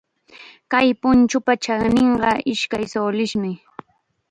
Kay punchupa chaninqa ishkay sulismi.